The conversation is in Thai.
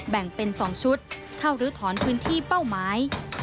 แบ่งเป็น๒ชุดเข้ารื้อถอนพื้นที่เป้าหมาย